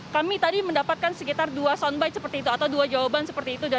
kami tadi mendapatkan sekitar dua soundbite seperti itu atau dua jawaban seperti itu